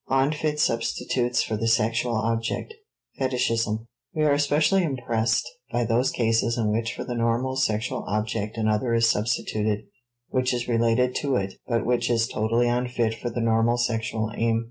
*Unfit Substitutes for the Sexual Object. Fetichism.* We are especially impressed by those cases in which for the normal sexual object another is substituted which is related to it but which is totally unfit for the normal sexual aim.